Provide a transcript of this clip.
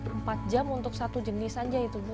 empat jam untuk satu jenis saja itu bu